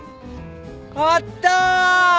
あった！